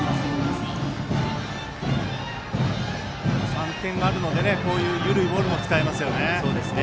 ３点あるので緩いボールも使えますね。